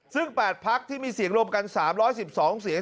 ซึ่ง๘พักที่มีเสียงรวมกัน๓๑๒เสียง